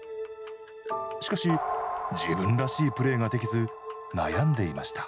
しかし自分らしいプレーができず悩んでいました。